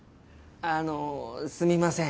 あのすみません。